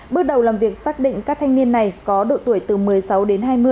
bước đầu làm việc xác định các thanh niên này có độ tuổi từ một mươi sáu đến hai mươi